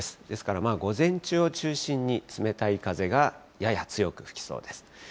ですから午前中を中心に冷たい風がやや強く吹きそうです。